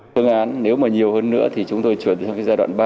phương án nếu mà nhiều hơn nữa thì chúng tôi chuyển sang giai đoạn ba